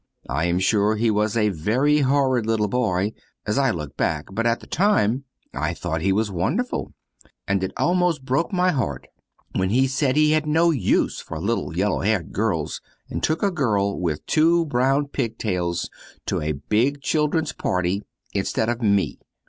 I am sure he was a very horrid little boy, as I look back, but at that time I thought he was wonderful, and it almost broke my heart when he said he had no use for little yellow haired girls and took a girl with two brown pigtails to a big children's party, instead of me.